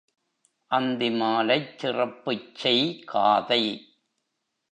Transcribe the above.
அந்திமாலைச் சிறப்புச் செய் காதை.